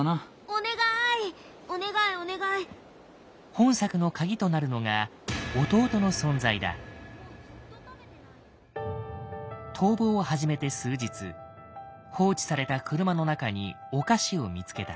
本作のカギとなるのが逃亡を始めて数日放置された車の中にお菓子を見つけた。